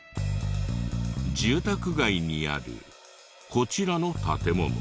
住宅街にあるこちらの建物。